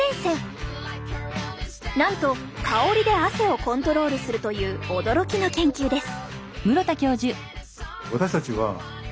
なんと香りで汗をコントロールするという驚きの研究です！